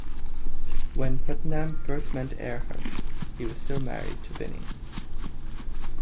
When Putnam first met Earhart, he was still married to Binney.